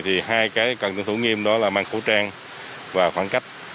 thì hai cái cần thử nghiêm đó là mang khẩu trang và khoảng cách